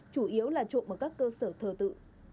chủ yếu là trộm ở các cơ sở thờ tự